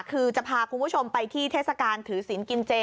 คือจะพาคุณผู้ชมไปที่เทศกาลถือศิลป์กินเจ